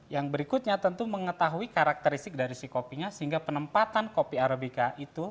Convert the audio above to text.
yang berikutnya tentu mengetahui karakteristik dari si kopinya sehingga penempatan kopi arabica itu